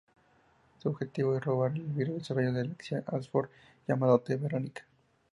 Su objetivo es robar el virus desarrollado por Alexia Ashford, llamado T-Verónica.